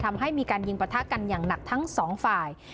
ทำให้มีการยิงประทะกันอย่างหนักทั้งสองฝ่าย